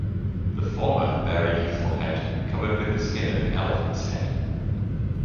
The former bear a youthful head covered with the skin of an elephant's head.